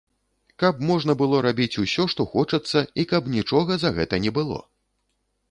Каб можна было рабіць усё, што хочацца, і каб нічога за гэта не было.